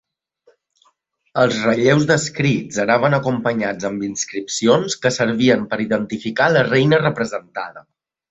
Els relleus descrits anaven acompanyats amb inscripcions que servien per identificar la reina representada.